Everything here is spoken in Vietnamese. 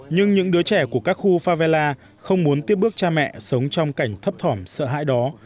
nhưng những đứa trẻ của các khu favella không muốn tiếp bước cha mẹ sống trong cảnh thấp thỏm sợ hãi đó